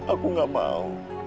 aku gak mau